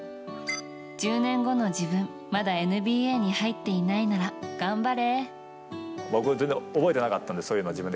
１０年後の自分まだＮＢＡに入っていないなら頑張れ！